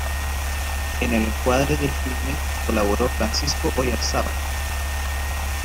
En el encuadre del filme colaboró Francisco Oyarzábal.